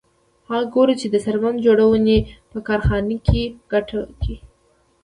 هغه ګوري چې د څرمن جوړونې په کارخانه کې ګټه ده